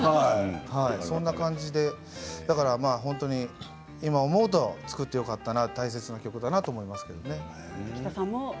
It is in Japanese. そんな感じで今、思うと作ってよかった大切な曲だなと思います。